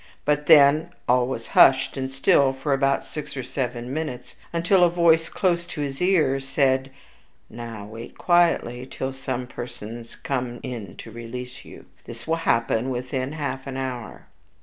But then all was hushed and still for about six or seven minutes, until a voice close to his ear said, "Now, wait quietly till some persons come in to release you. This will happen within half an hour."